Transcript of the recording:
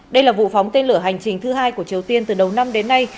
đây là vụ phóng tên lửa hành trình thứ hai của triều tiên từ đầu năm đến nay